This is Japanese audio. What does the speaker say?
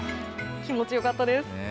気持ちよかったです。